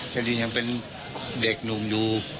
คดียังเป็นเด็กหนุ่มอยู่